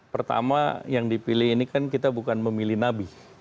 pertama yang dipilih ini kan kita bukan memilih nabi